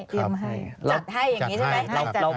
จัดให้อย่างนี้ใช่ไหม